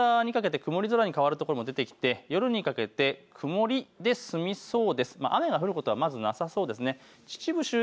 夕方にかけて曇り空に変わる所も出てきて夜にかけて曇りで済みそうです。